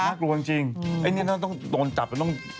นักรวมจริงอันนี้ต้องโดนจับต้อง